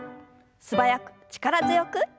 素早く力強く。